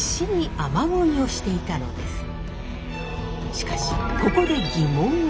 しかしここで疑問が。